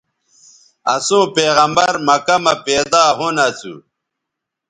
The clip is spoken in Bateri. اَسوں پیغمبرؐ مکہ مہ پیدا ھُون اَسو